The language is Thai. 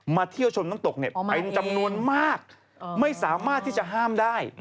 เที่ยวชมน้ำตกเนี่ยเป็นจำนวนมากไม่สามารถที่จะห้ามได้